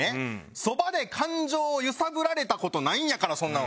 そばで感情を揺さぶられた事ないんやからそんな。